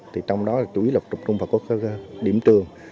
thì trong đó là chủ yếu lập trục trung và có các điểm trường